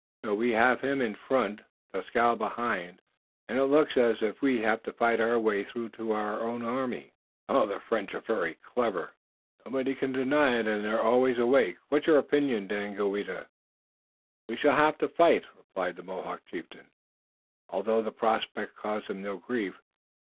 So we have him in front, Dieskau behind, and it looks as if we'd have to fight our way through to our army. Oh, the Frenchmen are clever! Nobody can deny it, and they're always awake. What's your opinion, Daganoweda?" "We shall have to fight," replied the Mohawk chieftain, although the prospect caused him no grief.